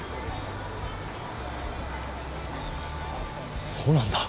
そそうなんだ。